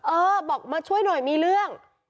เออบอกมาช่วยหน่อยมีเรื่อง